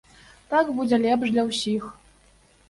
Так будзе лепш для ўсіх.